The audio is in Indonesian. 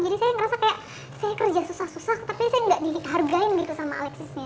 jadi saya ngerasa kayak saya kerja susah susah tapi saya nggak dihargain gitu sama alexis nya